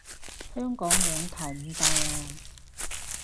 香港兩頭唔到岸